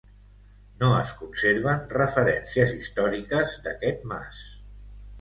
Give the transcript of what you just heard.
No es conserven referències històriques d'aquest mas.